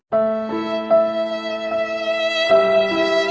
สี่